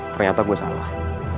ternyata gue salah